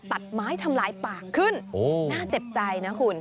ตัดไม้ทำลายปากขึ้นน่าเจ็บใจนะคุณ